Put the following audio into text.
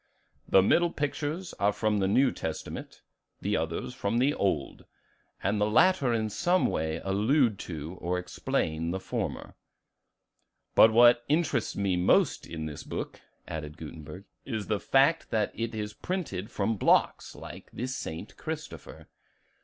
"The middle pictures are from the New Testament, the others from the Old; and the latter in some way allude to or explain the former." "But what interests me most in this book," added Gutenberg, "is the fact that it is printed from blocks, like the 'St. Christopher.